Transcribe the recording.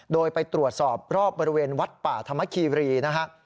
โดยไปตรวจสอบรอบบริเวณวัดป่าธรรมคีรีนะฮะ